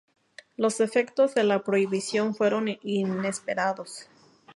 Los efectos de la Prohibición fueron inesperados.